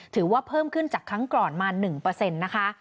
ถือว่าเพิ่มขึ้นจากครั้งก่อนมา๑นะคะ